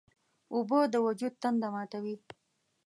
اوبه د وجود تنده ماتوي.